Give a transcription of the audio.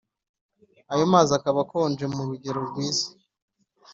ayo mazi akaba akonje mu rugero rwiza,